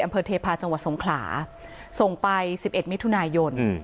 พระเจ้าอาวาสกันหน่อยนะครับ